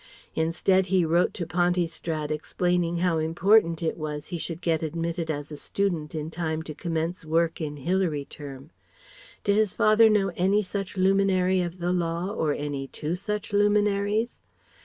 Instead he wrote to Pontystrad explaining how important it was he should get admitted as a Student in time to commence work in Hilary term. Did his father know any such luminary of the law or any two such luminaries?